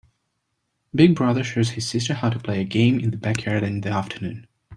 Big brother shows his sister how to play a game in the backyard in the afternoon.